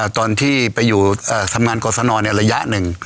ตอนที่ไปอยู่ทำงานกรสนระยะหนึ่ง